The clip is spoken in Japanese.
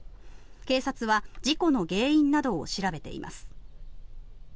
警察は事故の原因などを調べています。